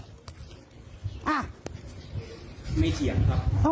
ไม่เฉียงครับ